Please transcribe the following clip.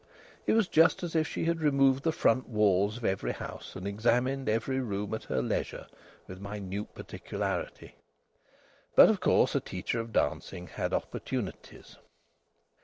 It was just as if she had removed the front walls of every house and examined every room at her leisure, with minute particularity. But of course a teacher of dancing had opportunities....